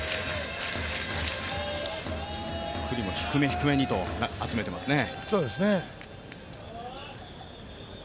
九里も低め、低めにと集めていますね。